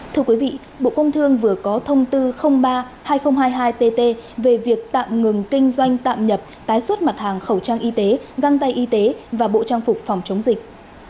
thưa quý vị bộ công thương vừa có thông tư ba hai nghìn hai mươi hai tt về việc tạm ngừng kinh doanh tạm nhập tái xuất mặt hàng khẩu trang y tế găng tay y tế và bộ trang phục phòng chống dịch